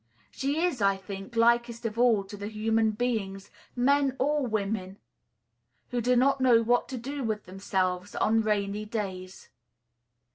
She is, I think, likest of all to the human beings, men or women, who do not know what to do with themselves on rainy days.